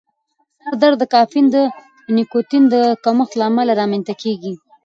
سر درد د کافین یا نیکوتین د کمښت له امله رامنځته کېږي.